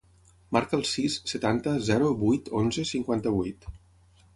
Marca el sis, setanta, zero, vuit, onze, cinquanta-vuit.